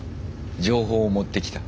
情報を持ってきた。